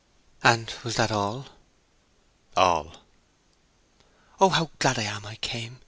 "And was that all?" "All." "Oh, how glad I am I came!"